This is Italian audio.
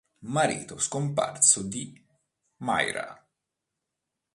Marito scomparso di Myra.